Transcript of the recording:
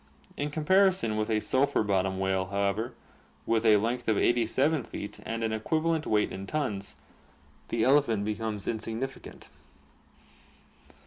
In comparison with a sulphur bottom whale, however, with a length of 87 feet and an equivalent weight in tons, the elephant becomes insignificant.